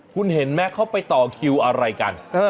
คุณเห็นไหมเขาไปต่อคิวอะไรกัน